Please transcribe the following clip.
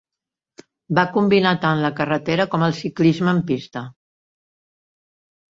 Va combinar tant la carretera com el ciclisme en pista.